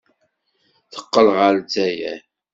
Teqqel ɣer Lezzayer.